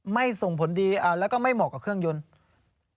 ไม่กับเครื่องยนตรวจสอบ